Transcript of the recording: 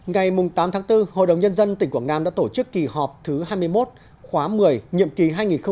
ngày tám tháng bốn hội đồng nhân dân tỉnh quảng nam đã tổ chức kỳ họp thứ hai mươi một khóa một mươi nhiệm kỳ hai nghìn một mươi sáu hai nghìn hai mươi một